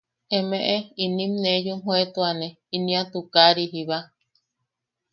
Emeʼe inim nee yumjoetuane inia tukari jiba.